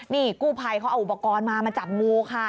นี่กู้ภัยเขาเอาอุปกรณ์มามาจับงูค่ะ